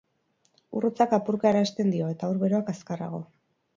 Ur hotzak apurka erasaten dio, eta ur beroak azkarrago.